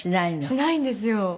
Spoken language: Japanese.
しないんですよ。